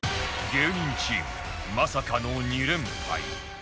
芸人チームまさかの２連敗